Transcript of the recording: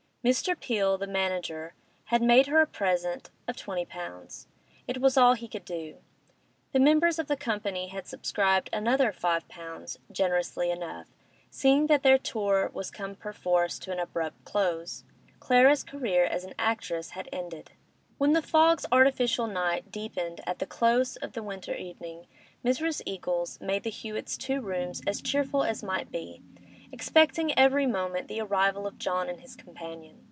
Mr. Peel, the manager, had made her a present of 20_l_.—it was all he could do; the members of the company had subscribed another 5_l_., generously enough, seeing that their tour was come perforce to an abrupt close. Clara's career as an actress had ended. ... When the fog's artificial night deepened at the close of the winter evening, Mrs. Eagles made the Hewetts' two rooms as cheerful as might be, expecting every moment the arrival of John and his companion.